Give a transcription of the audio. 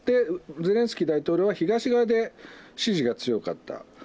ゼレンスキー大統領は東側で支持が強かった。